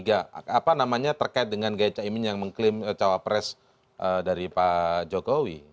apa namanya terkait dengan gaya cak imin yang mengklaim cawa pres dari pak jokowi